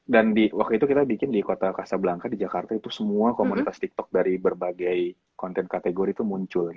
dan waktu itu kita bikin di kota casablanca di jakarta itu semua komunitas tiktok dari berbagai konten kategori itu muncul